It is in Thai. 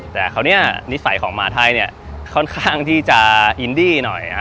แต่คราวนี้นิสัยของหมาไทยเนี่ยค่อนข้างที่จะอินดี้หน่อย